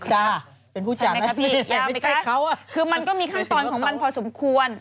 ใช่ไหมครับพี่ยาวไหมครับคือมันก็มีขั้นตอนของมันพอสมควร